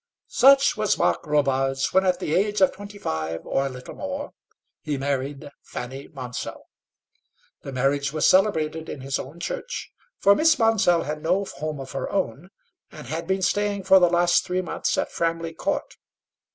Such was Mark Robarts when at the age of twenty five, or a little more, he married Fanny Monsell. The marriage was celebrated in his own church, for Miss Monsell had no home of her own, and had been staying for the last three months at Framley Court.